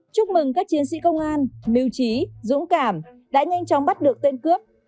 chúc mừng các chiến sĩ công an mưu trí dũng cảm đã nhanh chóng bắt được tên cướp